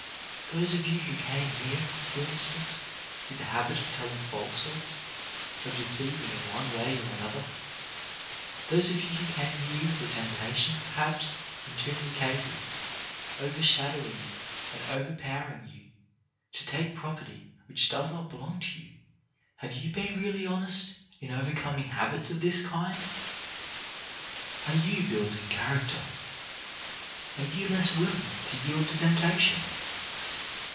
Those of you who came here, for instance, with the habit of telling falsehoods, of deceiving in one way or another; those of you 48 CHARACTER BUILDING who came here with the temptation, perhaps, in too many cases, overshadowing you and over powering you, to take property which does not belong to you; have you been really honest in overcoming habits of this kind? Are you build ing character? Are you less willing to yield to temptation?